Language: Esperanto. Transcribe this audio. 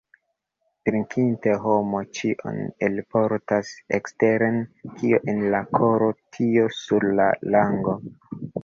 Drinkinte homo ĉion elportas eksteren: kio en la koro, tio sur la lango.